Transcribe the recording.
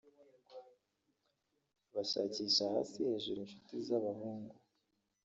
bashakisha hasi hejuru inshuti z’abahungu